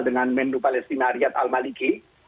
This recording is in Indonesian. dengan menlu palestina riyad al maliki